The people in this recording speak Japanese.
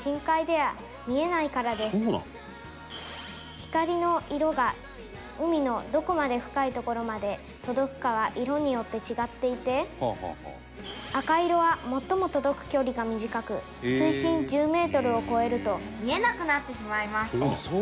「光の色が海のどこまで深い所まで届くかは色によって違っていて赤色は最も届く距離が短く水深１０メートルを超えると見えなくなってしまいます」